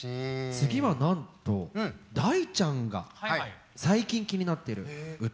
次はなんと大ちゃんが最近気になってる歌。